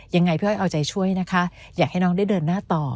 ยังไงพี่อ้อยเอาใจช่วยนะคะอยากให้น้องได้เดินหน้าต่อ